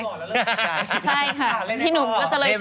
ใช่ค่ะพี่หนุ่มก็จะเลย